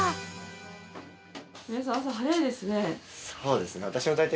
そうですね私は。